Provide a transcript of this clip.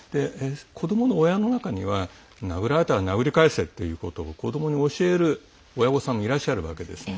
子どもの親の中には殴られたら殴り返せということを子どもに教える親御さんもいらっしゃるわけですね。